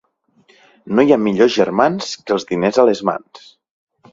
No hi ha millors germans que els diners a les mans.